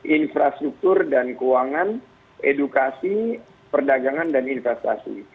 infrastruktur dan keuangan edukasi perdagangan dan investasi